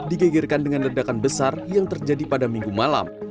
digegerkan dengan ledakan besar yang terjadi pada minggu malam